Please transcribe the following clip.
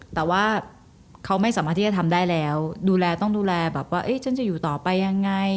แต่ว่าเขาไม่สามารถที่จะทำได้แล้วดูแลต้องดูแลแบบว่าฉันจะอยู่ต่อไปยังไง